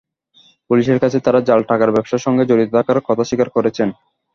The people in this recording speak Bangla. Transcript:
পুলিশের কাছে তাঁরা জাল টাকার ব্যবসার সঙ্গে জড়িত থাকার কথা স্বীকার করেছেন।